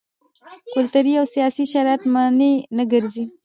کلتوري او سیاسي شرایط مانع نه ګرځي.